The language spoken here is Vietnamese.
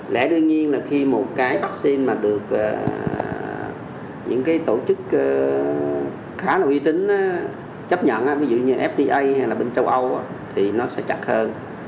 lẽ đương nhiên là khi một cái vaccine mà được những cái tổ chức khá là uy tín chấp nhận ví dụ như fda hay là bên châu âu thì nó sẽ chặt hơn